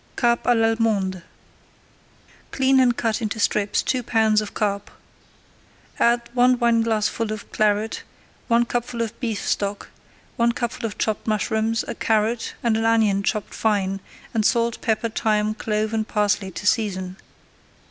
CARP À L'ALLEMANDE Clean and cut into strips two pounds of [Page 84] carp. Add one wineglassful of Claret, one cupful of beef stock, one cupful of chopped mushrooms, a carrot and an onion chopped fine, and salt, pepper, thyme, clove and parsley to season.